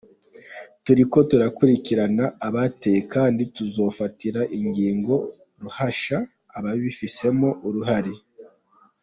Turiko turakurikirana abateye kandi tuzofatira ingingo ruhasha ababifisemwo uruhara.